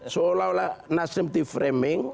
seolah olah nasional di framing